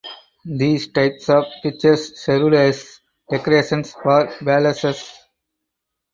These types of pictures served as decorations for palaces.